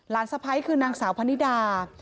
สะพ้ายคือนางสาวพนิดา